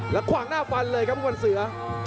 แล้วคว่างหน้าฟันเลยครับผู้พันธ์เสือ